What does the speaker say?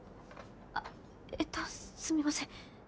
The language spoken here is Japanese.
あっえっとすみません。